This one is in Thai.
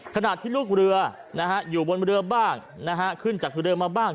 ขนาดที่ลูกเรืออยู่บนบริเวณบ้าง